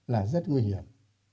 là rất nguy hiểm